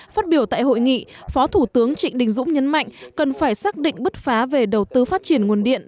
phát biểu tại hội nghị phó thủ tướng trịnh đình dũng nhấn mạnh cần phải xác định bứt phá về đầu tư phát triển nguồn điện